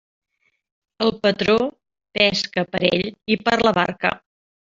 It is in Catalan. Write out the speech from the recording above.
El patró pesca per ell i per la barca.